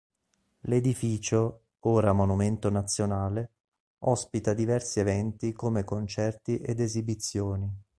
L'edificio, ora monumento nazionale, ospita diversi eventi come concerti ed esibizioni.